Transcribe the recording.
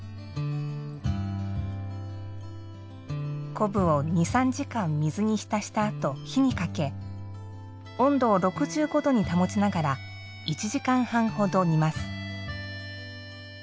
昆布を２３時間水に浸したあと火にかけ温度を６５度に保ちながら１時間半ほど煮ます。